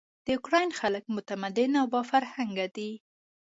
د اوکراین خلک متمدن او با فرهنګه دي.